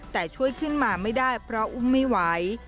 แต่ช่วยขึ้นมาไม่ได้เพราะอุ้มไม่ไหว